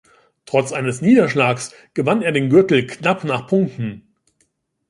Trotz eines Niederschlags gewann er den Gürtel knapp nach Punkten.